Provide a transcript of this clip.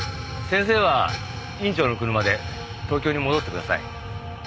先生は院長の車で東京に戻ってください。